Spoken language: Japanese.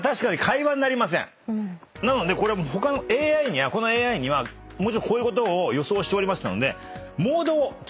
なので他のこのＡＩにはもちろんこういうことを予想しておりましたので。